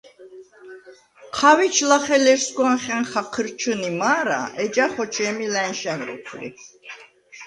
ჴავიჩ ლახე ლერსგვანხა̈ნ ხაჴჷრჩჷნი მა̄რა, ეჯა ხოჩე̄მი ლა̈ნშა̈ნ როქვ ლი.